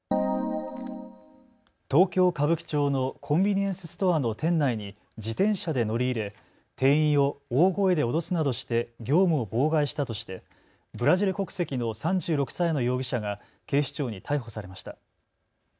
東京歌舞伎町のコンビニエンスストアの店内に自転車で乗り入れ店員を大声で脅すなどして業務を妨害したとしてブラジル国籍の３６歳の容疑者が警視庁に逮捕されました。